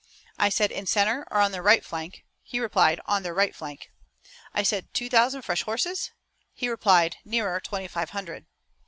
I said: 'In center or on their right flank?' He replied: 'On their right flank.' I said: 'Two thousand fresh horses?' He replied: 'Nearer twenty five hundred.'